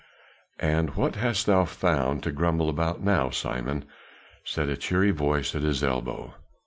"And what hast thou found to grumble about now, Simon?" said a cheery voice at his elbow.